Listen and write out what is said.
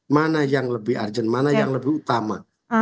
mana yang lebih urgent mana yang lebih utama